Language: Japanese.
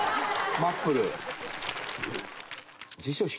『マップル』。